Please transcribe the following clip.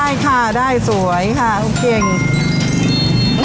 ได้ค่ะได้สวยค่ะเก่ง